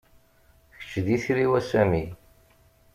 Kečč d itri-w, a Sami.